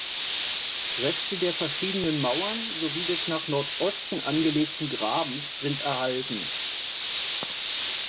Reste der verschiedenen Mauern sowie des nach Nordosten angelegten Grabens sind erhalten.